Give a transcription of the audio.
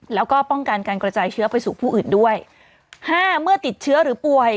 แล้วก็ป้องกันการกระจายเชื้อไปสู่ผู้อื่นด้วยห้าเมื่อติดเชื้อหรือป่วย